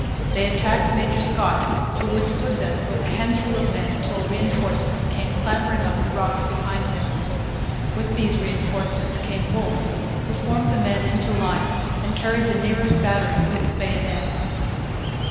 They attacked Major Scott, who withstood them with a handful of men till reinforcements came clambering up the rocks behind him. With these reinforcements came Wolfe, who formed the men into line and carried the nearest battery with the bayonet.